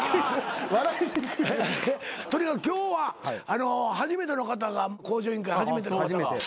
とにかく今日は初めての方が『向上委員会』初めての方が。